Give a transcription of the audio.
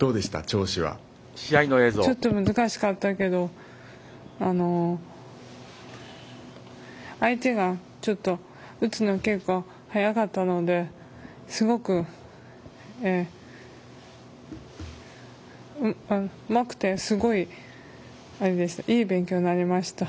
ちょっと難しかったけど相手がちょっと打つの結構速かったのですごくうまくてすごいいい勉強になりました。